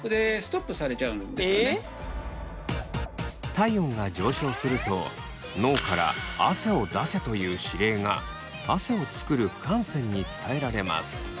体温が上昇すると脳から「汗を出せ」という指令が汗を作る汗腺に伝えられます。